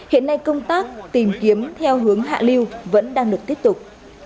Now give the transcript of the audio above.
hiện nay công tác tìm kiếm theo hướng hạ lưu vẫn đang được tiếp tục